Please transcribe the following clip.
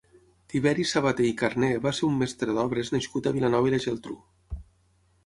Tiberi Sabater i Carné va ser un mestre d'obres nascut a Vilanova i la Geltrú.